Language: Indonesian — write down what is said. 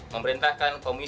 lima memerintahkan komisinya